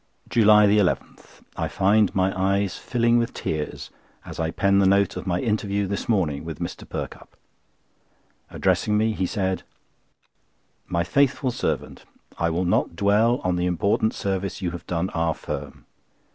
JULY 11.—I find my eyes filling with tears as I pen the note of my interview this morning with Mr. Perkupp. Addressing me, he said: "My faithful servant, I will not dwell on the important service you have done our firm.